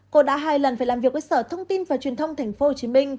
cô đã hai lần phải làm việc với sở thông tin và truyền thông tp hcm